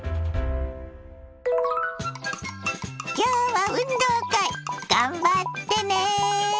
今日は運動会頑張ってね！